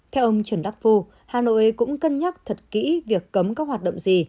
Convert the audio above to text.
theo ông trần đắc phu hà nội cũng cân nhắc thật kỹ việc cấm các hoạt động gì